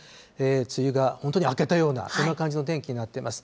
梅雨が本当に明けたような、そんな感じの天気になってます。